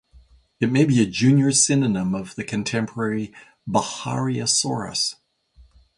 It may be a junior synonym of the contemporary "Bahariasaurus".